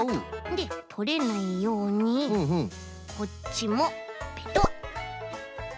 でとれないようにこっちもペトッ。